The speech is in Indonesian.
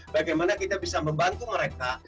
bagaimana kita bisa membantu mereka